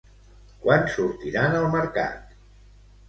Quan sortiran al mercat?